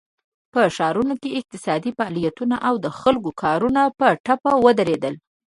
په ښارونو کې اقتصادي فعالیتونه او د خلکو کارونه په ټپه ودرېدل.